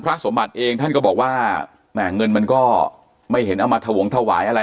พระสมบัติเองท่านก็บอกว่ามันก็ไม่เห็นอมัติหวงถวายอะไร